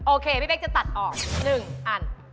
โอเคพี่เป๊กจะตัดออก๑อัน